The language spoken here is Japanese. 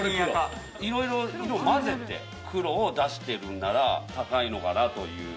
いろいろ色混ぜて黒を出してるんなら高いのかなという。